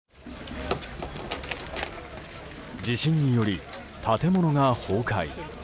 地震により建物が崩壊。